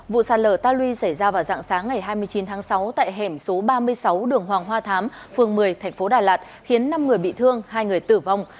vụ sạt lở ta luy xảy ra vào dạng sáng ngày hai mươi chín tháng sáu tại hẻm số ba mươi sáu đường hoàng hoa thám phường một mươi thành phố đà lạt khiến năm người bị thương hai người tử vong